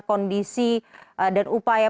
kondisi dan upaya